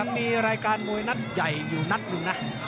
มันมีรายการมวยนัดใหญ่อยู่นัดใหญ่อยู่นัด